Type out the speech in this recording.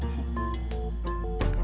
jangan manggutin gua ya